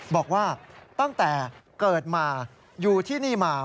บอกว่าตั้งแต่เกิดมาอยู่ที่นี่มา